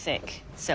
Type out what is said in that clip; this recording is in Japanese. そう。